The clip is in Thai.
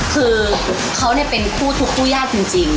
คือเขาเป็นคู่ทุกคู่ยากจริง